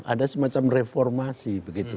ada semacam reformasi begitu